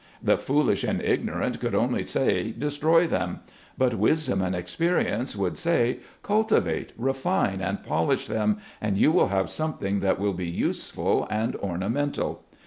The foolish and ignorant could only say destroy them ; but wisdom and experience would say cultivate, refine and polish them, and you will have something that will be useful and ornamental.